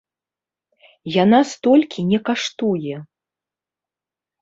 Яна столькі не каштуе.